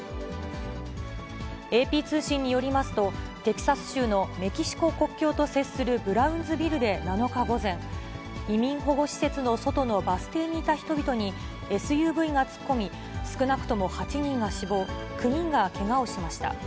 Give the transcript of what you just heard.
ＡＰ通信によりますと、テキサス州のメキシコ国境と接するブラウンズビルで７日午前、移民保護施設の外のバス停にいた人々に、ＳＵＶが突っ込み、少なくとも８人が死亡、９人がけがをしました。